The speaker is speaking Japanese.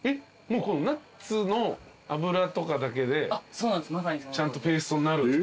もうこのナッツの油とかだけでちゃんとペーストになるんですか？